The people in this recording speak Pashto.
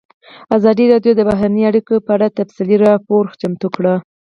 ازادي راډیو د بهرنۍ اړیکې په اړه تفصیلي راپور چمتو کړی.